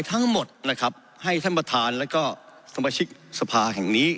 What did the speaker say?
ทั้งหมดนะครับให้ท่านประธานแล้วก็สมาชิกสภาแห่งนี้